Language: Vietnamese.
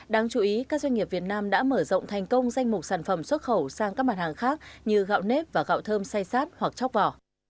đáng chú ý các doanh nghiệp việt nam đã mở rộng thành công danh mục sản phẩm xuất khẩu sang các mặt hàng khác như gạo nếp và gạo thơm say sát hoặc chóc vỏ